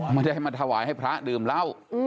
ไม่ได้ให้มาถวายให้พระดื่มเหล้า